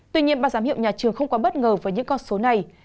tuy nhiên ban giám hiệu nhà trường không quá bất ngờ với những con số này